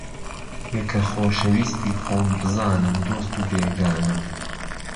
یەکە خۆشەویستی خۆم بزانن دۆست و بێگانە